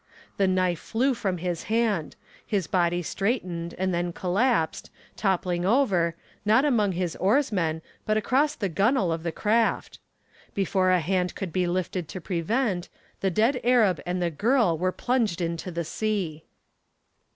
The knife flew from his hand, his body straightened and then collapsed, toppling over, not among his oarsmen, but across the gunwale of the craft. Before a hand could be lifted to prevent, the dead Arab and the girl were plunged into the sea.